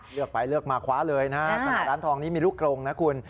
เลือกไปเลือกมาคว้าเลยนะฮะขณะร้านทองนี้มีลูกกรงนะคุณ